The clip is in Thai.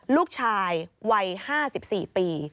ลูกชายวัย๕๔ปี